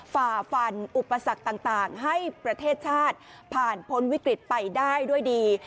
ฝ่าฟันอุปสรรคต่างให้ประเทศชาติผ่านพ้นวิกฤตไปได้ด้วยดี